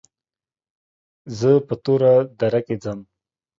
زه په توره دره کې ځم.